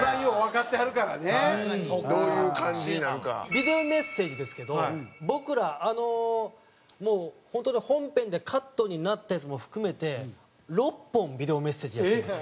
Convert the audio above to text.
ビデオメッセージですけど僕らもうホントに本編でカットになったやつも含めて６本ビデオメッセージやってます。